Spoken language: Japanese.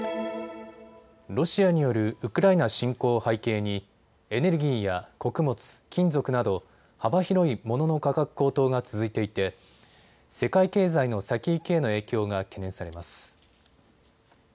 ロシアによるウクライナ侵攻を背景にエネルギーや穀物、金属など幅広いものの価格高騰が続いていて世界経済の先行きへの影響が懸念されます。